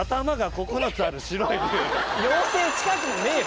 妖精近くもねえよ